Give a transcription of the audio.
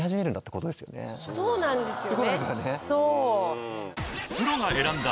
そうなんですよね。